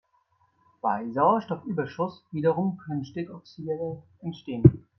Bei Sauerstoffüberschuss wiederum können Stickoxide entstehen.